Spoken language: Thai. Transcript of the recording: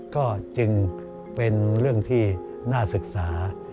ก็จึงเป็นเรื่องที่น่าศึกษา